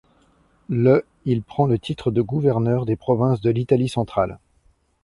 Le il prend le titre de gouverneur des provinces de l'Italie centrale.